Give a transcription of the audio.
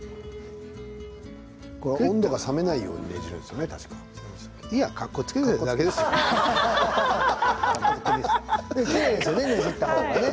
温度が冷めないようにねじるんですよね？